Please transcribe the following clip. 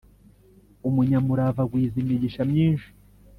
umunyamurava agwiza imigisha myinshi